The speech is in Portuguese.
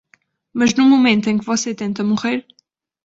Mas no momento em que você tenta morrer